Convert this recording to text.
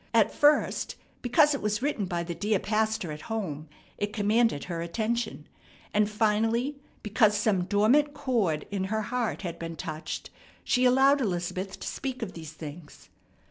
At first because it was written by the dear pastor at home it commanded her attention, and finally because some dormant chord in her heart had been touched, she allowed Elizabeth to speak of these things.